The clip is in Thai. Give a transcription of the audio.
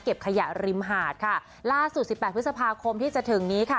ขยะริมหาดค่ะล่าสุดสิบแปดพฤษภาคมที่จะถึงนี้ค่ะ